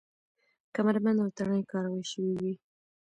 کمربند او تڼۍ کارول شوې وې.